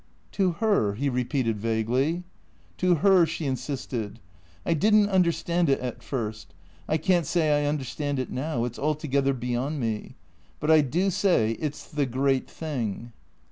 " To her ?" he repeated vaguely. " To her," she insisted. " I did n't understand it at first ; I can't say I understand it now ; it 's altogether beyond me. But I do say it 's the great thing."